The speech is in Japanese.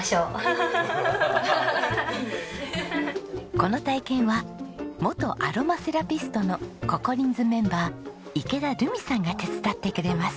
この体験は元アロマセラピストのココリンズメンバー池田留美さんが手伝ってくれます。